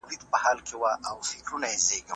د ښځو کار کول د کورنۍ د عاید سرچینې پیاوړې کوي.